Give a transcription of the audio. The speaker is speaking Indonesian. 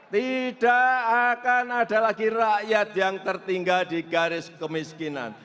tidak akan ada lagi rakyat yang tertinggal di garis kemiskinan